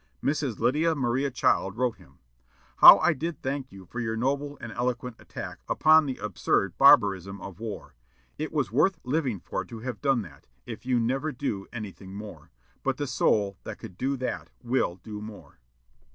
Mrs. Lydia Maria Child wrote him: "How I did thank you for your noble and eloquent attack upon the absurd barbarism of war! It was worth living for to have done that, if you never do anything more. But the soul that could do that will do more."